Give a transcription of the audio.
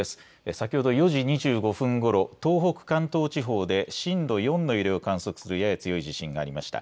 先ほど４時２５分ごろ東北、関東地方で震度４の揺れを観測するやや強い地震がありました。